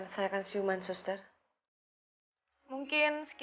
saya ingin mengerjakanmu